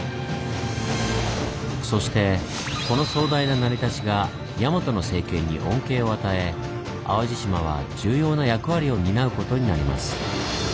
そしてこの壮大な成り立ちが大和の政権に恩恵を与え淡路島は重要な役割を担うことになります。